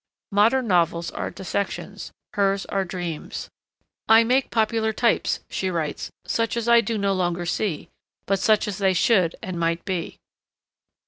Modern novels are dissections; hers are dreams. 'I make popular types,' she writes, 'such as I do no longer see, but such as they should and might be.'